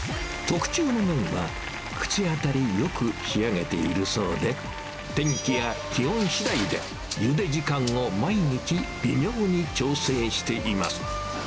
特注の麺は、口当たりよく仕上げているそうで、天気や気温しだいで、ゆで時間を毎日微妙に調整しています。